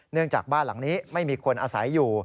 จากบ้านหลังนี้ไม่มีคนอาศัยอยู่